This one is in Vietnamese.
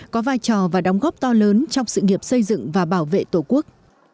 có vai trò và đóng góp to lớn trong sự nghiệp xây dựng và bảo vệ tổ quốc